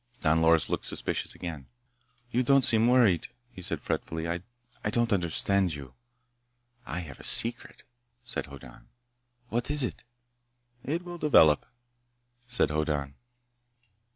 Don Loris looked suspicious again. "You don't seem worried," he said fretfully. "I don't understand you!" "I have a secret," said Hoddan. "What is it?" "It will develop," said Hoddan.